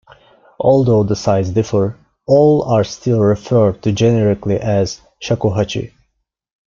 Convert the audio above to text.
Although the sizes differ, all are still referred to generically as "shakuhachi".